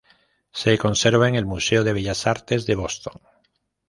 Se conserva en el Museo de Bellas Artes de Boston.